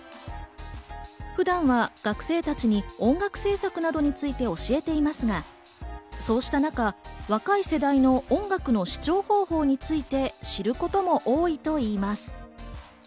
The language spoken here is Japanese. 普段は学生たちに音楽制作などについて教えていますが、そうした中、若い世代の音楽の視聴方法について知ることも多いといいます。